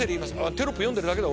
テロップ読んでるだけだ